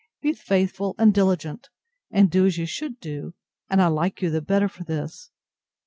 —Be faithful and diligent; and do as you should do, and I like you the better for this.